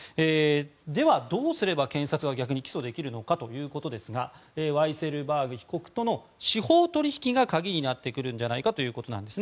では、どうすれば検察は逆に起訴できるのかということですがワイセルバーグ被告との司法取引が鍵になってくるんじゃないかということです。